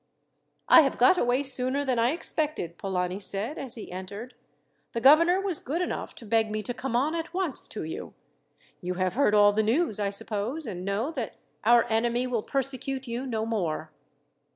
"I have got away sooner than I expected," Polani said as he entered. "The governor was good enough to beg me to come on at once to you. You have heard all the news, I suppose, and know that our enemy will persecute you no more."